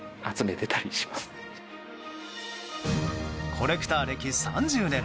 コレクター歴３０年。